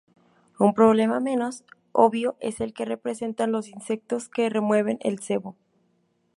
Un problema menos obvio es el que representan los insectos que remueven el cebo.